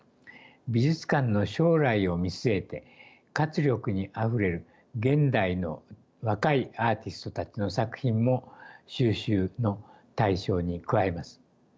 美術館の将来を見据えて活力にあふれる現代の若いアーティストたちの作品も収集の対象に加えます。